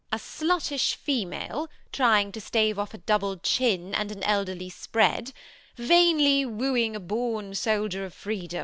A sluttish female, trying to stave off a double chin and an elderly spread, vainly wooing a born soldier of freedom.